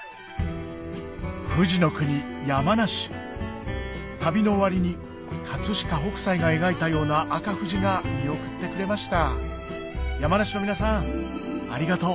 富士の国山梨旅の終わりに飾北斎が描いたような赤富士が見送ってくれました山梨の皆さんありがとう